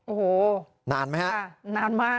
โอ้โฮนานหรือยังครับ